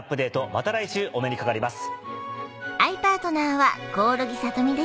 また来週お目にかかります。